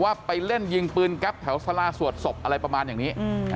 ไปเล่นยิงปืนแก๊ปแถวสลาสวดศพอะไรประมาณอย่างนี้